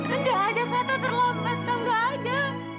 nggak ada kata terlambat kak nggak ada